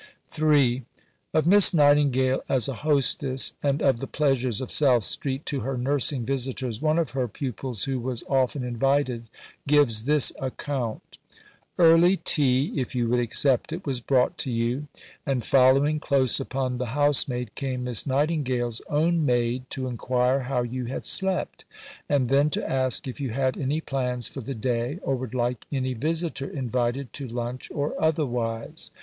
See Vol. I. p. 304. III Of Miss Nightingale as a hostess, and of the pleasures of South Street to her nursing visitors, one of her pupils who was often invited gives this account: "Early tea, if you would accept it, was brought to you; and following close upon the housemaid, came Miss Nightingale's own maid to inquire how you had slept; and then to ask if you had any plans for the day or would like any visitor invited to lunch or otherwise.